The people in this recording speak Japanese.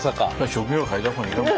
職業変えた方がいいかも。